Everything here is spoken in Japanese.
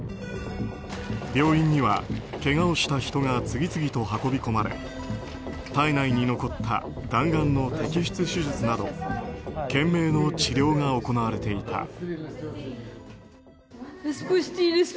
病院には、けがをした人が次々と運び込まれ体内に残った弾丸の摘出手術など懸命の治療が行われていた。